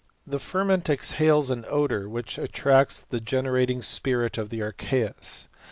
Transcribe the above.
The ferment exhales an odour, which attracts the generat ing spirit of the archeus.